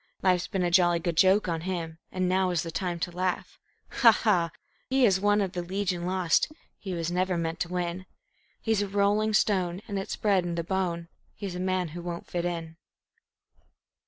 Life's been a jolly good joke on him, And now is the time to laugh. Ha, ha! He is one of the Legion Lost; He was never meant to win; He's a rolling stone, and it's bred in the bone; He's a man who won't fit in.